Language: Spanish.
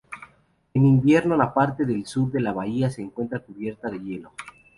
En invierno, la parte sur de la bahía se encuentra cubierta de hielo.